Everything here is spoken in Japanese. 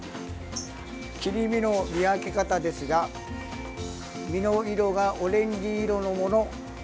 切り身の見分け方ですが身の色がオレンジ色のもの